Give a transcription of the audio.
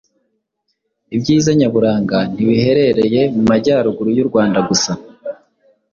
Ibyiza nyaburanga ntibiherereye mu majyaruguru y’u Rwanda gusa.